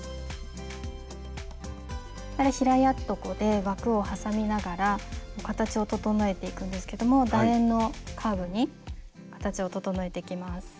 平やっとこで枠を挟みながら形を整えていくんですけどもだ円のカーブに形を整えていきます。